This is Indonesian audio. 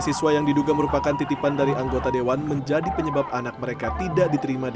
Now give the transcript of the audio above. siswa yang diduga merupakan titipan dari anggota dewan menjadi penyebab anak mereka tidak diterima di